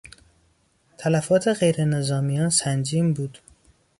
تلفات غیرنظامیان سنگین بود.